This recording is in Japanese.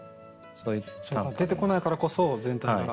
そうか出てこないからこそ全体から。